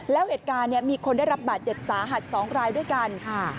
แล้วเหตุการณ์มีคนได้รับบาดเจ็บสาหัส๒รายด้วยกัน